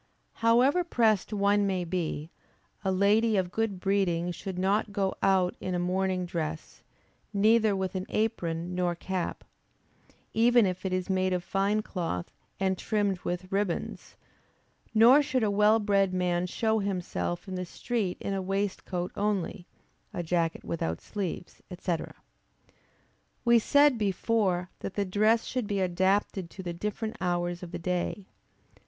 However pressed one may be, a lady of good breeding should not go out in a morning dress, neither with an apron nor cap, even if it is made of fine cloth and trimmed with ribbands; nor should a well bred man show himself in the street in a waistcoat only, a jacket without sleeves, &c. We said before that the dress should be adapted to the different hours of the day.